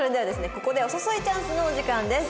ここでお誘いチャンスのお時間です。